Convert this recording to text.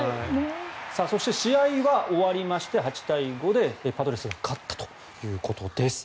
そして試合は終わりまして８対５でパドレスが勝ったということです。